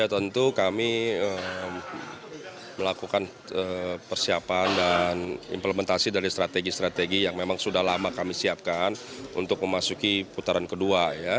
ya tentu kami melakukan persiapan dan implementasi dari strategi strategi yang memang sudah lama kami siapkan untuk memasuki putaran kedua